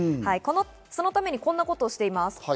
そのためにこんなことをしています。